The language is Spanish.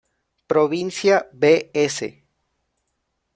Provincia Bs.